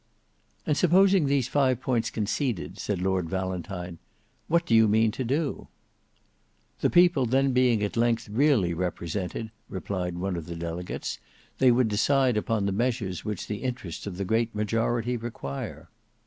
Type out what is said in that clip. "And supposing these five points conceded," said Lord Valentine, "what do you mean to do?" "The people then being at length really represented," replied one of the delegates, "they would decide upon the measures which the interests of the great majority require."